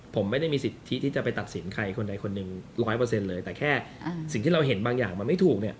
ผมไม่ได้มีสิทธิ์ที่จะไปตัดสินใครคนใดคนหนึ่ง๑๐๐เลยแต่แค่สิ่งที่เราเห็นบางอย่างมันไม่ถูกเนี่ย